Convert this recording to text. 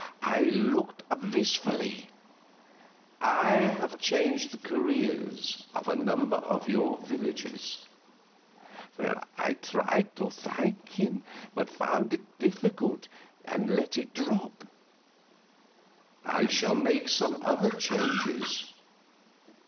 I looked up wistfully. "I have changed the careers of a number of your villagers." I tried to thank him, but found it difficult, and let it drop. "I shall make some other changes.